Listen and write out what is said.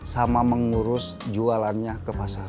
sama mengurus jualannya ke pasar